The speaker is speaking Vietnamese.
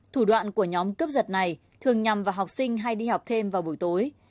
thủ đoạn của nhóm cướp giật này thường nhằm vào học sinh hay đi học thêm vào buổi tối